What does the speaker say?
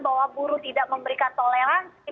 bahwa buruh tidak memberikan toleransi